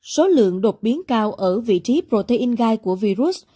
số lượng đột biến cao ở vị trí protein gai của virus